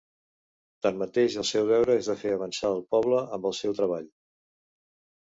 Tanmateix, el seu deure és de fer avançar el poble amb el seu treball.